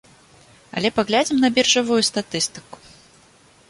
Але паглядзім на біржавую статыстыку.